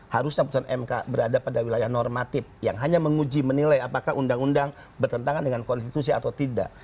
harusnya putusan mk berada pada wilayah normatif yang hanya menguji menilai apakah undang undang bertentangan dengan konstitusi atau tidak